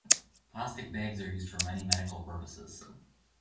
Plastic bags are used for many medical purposes.